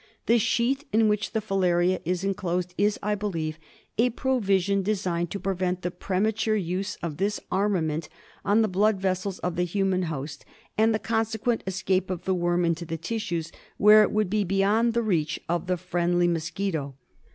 The sheath in which the filaria is enclosed is, I believe, a provision designed to prevent the premature use of this armament on the blood vessels of the human host and the consequent escape of the worm into the tissues, where it would be beyond the reach of the friendly mosquito.